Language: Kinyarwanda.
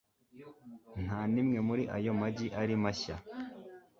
Nta nimwe muri ayo magi ari mashya